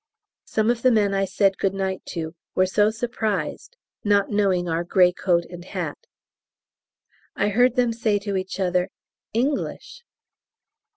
Some of the men I said good night to were so surprised (not knowing our grey coat and hat), I heard them say to each other "English!"